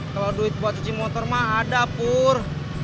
kalau duit buat cuci motor mah ada pur